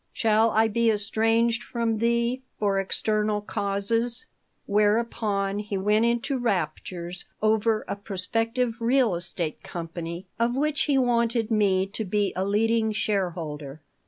Shall I be estranged from thee for external causes?" Whereupon he went into raptures over a prospective real estate company of which he wanted me to be a leading shareholder.